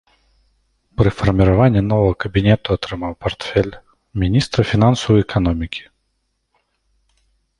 Пры фарміраванні новага кабінета атрымаў партфель міністра фінансаў і эканомікі.